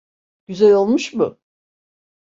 Güzel olmuş mu?